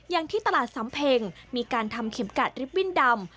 อย่างที่ตลาดสำเพ็งมีการทำเข็มกัดริบบิ้นดำ